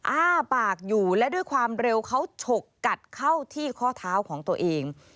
อ้าปากอยู่และด้วยความเร็วเขาฉกกัดเข้าที่ข้อเท้าของตัวเอง